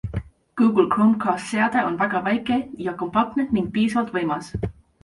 Google Chromecast seade on väga väike ja kompaktne ning piisavalt võimas.